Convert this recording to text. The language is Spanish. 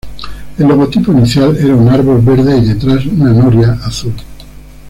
El logotipo inicial era un árbol verde y detrás una noria azul.